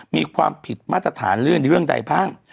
มีความผิดมาตรฐานเลื่อนเรื่องใดบ้าง